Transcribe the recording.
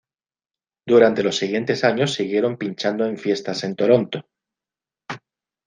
Durante los siguientes años siguieron pinchado en fiestas en Toronto.